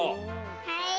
はい！